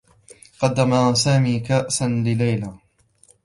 قدّم سامي كأسا لليلي.